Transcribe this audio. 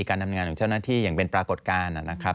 การทำงานของเจ้าหน้าที่อย่างเป็นปรากฏการณ์นะครับ